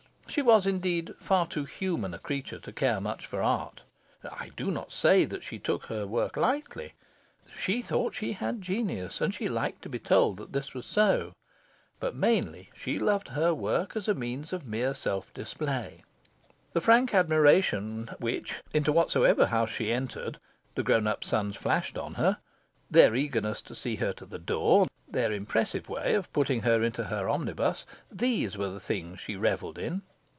She was, indeed, far too human a creature to care much for art. I do not say that she took her work lightly. She thought she had genius, and she liked to be told that this was so. But mainly she loved her work as a means of mere self display. The frank admiration which, into whatsoever house she entered, the grown up sons flashed on her; their eagerness to see her to the door; their impressive way of putting her into her omnibus these were the things she revelled in.